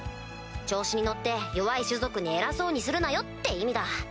調子に乗って弱い種族に偉そうにするなよ！って意味だ。